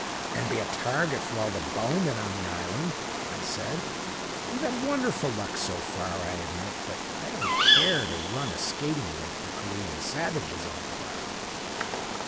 "And be a target for all the bowmen in the island!" I said. "You've had wonderful luck so far, I admit; but I don't care to run a skating rink for Corean savages all my life."